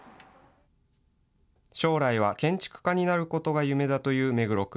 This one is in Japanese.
将来は建築家になることが夢だという目黒君。